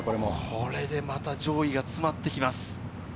これでまた上位が詰まってきます。